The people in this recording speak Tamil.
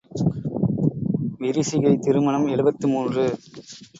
விரிசிகை திருமணம் எழுபத்து மூன்று.